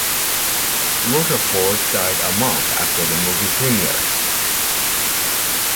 Rochefort died a month after the movie premiered.